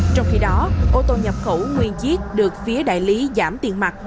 trong khi đó ô tô nhập khẩu nguyên chiếc được phía đại lý giảm tiền mặt